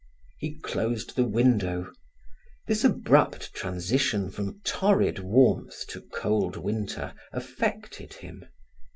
He closed the window. This abrupt transition from torrid warmth to cold winter affected him.